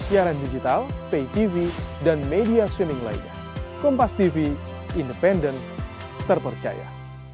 siaran digital pay tv dan media swimming lainnya kompas tv independen terpercaya